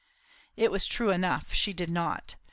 It was true enough; she did not.